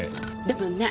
でもね